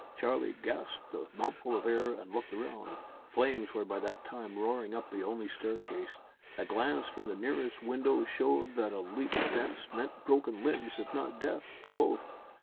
Charlie gasped a mouthful of air and looked round. Flames were by that time roaring up the only staircase. A glance from the nearest window showed that a leap thence meant broken limbs, if not death, to both.